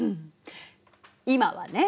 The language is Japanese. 今はね！